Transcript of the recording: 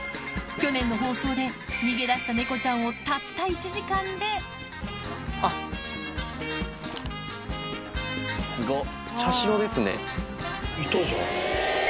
去年の放送で逃げ出した猫ちゃんをたった１時間ですごっ。